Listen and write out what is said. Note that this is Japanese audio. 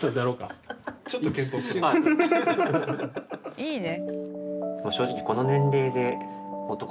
いいね。